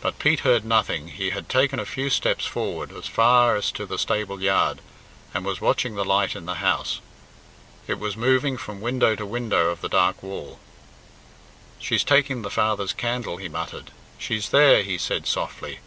But Pete heard nothing. He had taken a few steps forward, as far as to the stable yard, and was watching the light in the house. It was moving from window to window of the dark wall. "She's taking the father's candle," he muttered. "She's there," he said softly.